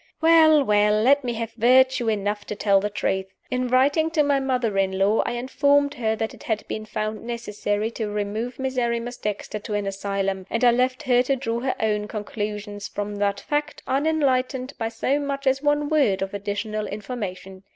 Well! well! let me have virtue enough to tell the truth. In writing to my mother in law, I informed her that it had been found necessary to remove Miserrimus Dexter to an asylum and I left her to draw her own conclusions from that fact, unenlightened by so much as one word of additional information.